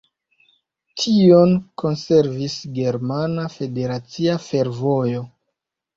Tion konservis Germana Federacia Fervojo.